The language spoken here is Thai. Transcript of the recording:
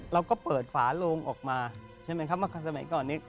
เราก็เปิดฝาโลงออกมาใช่ไหมครับเมื่อสมัยก่อนนี้